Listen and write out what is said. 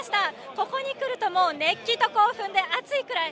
ここに来ると熱気と興奮で暑いくらい。